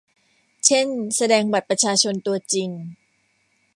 เช่น แสดงบัตรประชาชนตัวจริง